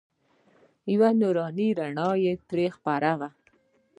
یوه نوراني رڼا پرې خپره وه.